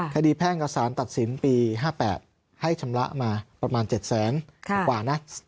แพ่งกับสารตัดสินปี๕๘ให้ชำระมาประมาณ๗แสนกว่านะ